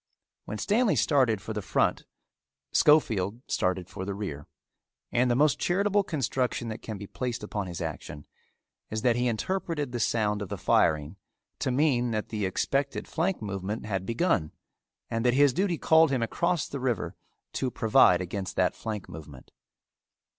When Stanley started for the front Schofield started for the rear, and the most charitable construction that can be placed upon his action is that he interpreted the sound of the firing to mean that the expected flank movement had begun and that his duty called him across the river to provide against that flank movement.